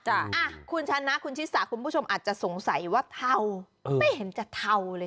อ่ะคุณชนะคุณชิสาคุณผู้ชมอาจจะสงสัยว่าเทาไม่เห็นจะเทาเลย